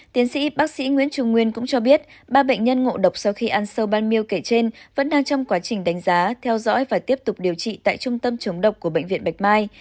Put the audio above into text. tiến sĩ bác sĩ nguyễn trung nguyên cũng cho biết ba bệnh nhân ngộ độc sau khi ăn sâu ban mail kể trên vẫn đang trong quá trình đánh giá theo dõi và tiếp tục điều trị tại trung tâm chống độc của bệnh viện bạch mai